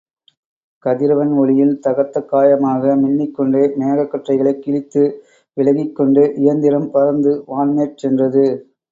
கதிரவன் ஒளியில் தகத்தகாயமாக மின்னிக்கொண்டே மேகக் கற்றைகளைக் கிழித்து விலகிக்கொண்டு இயந்திரம் பறந்து வான்மேற் சென்றது.